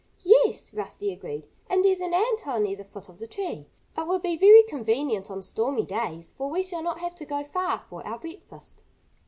"Yes!" Rusty agreed. "And there's an ant hill near the foot of the tree. It will be very convenient on stormy days, for we shall not have to go far for our breakfast."